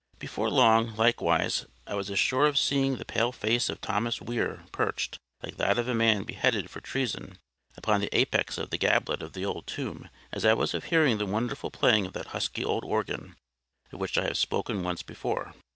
Before long, likewise, I was as sure of seeing the pale face of Thomas Weir perched, like that of a man beheaded for treason, upon the apex of the gablet of the old tomb, as I was of hearing the wonderful playing of that husky old organ, of which I have spoken once before.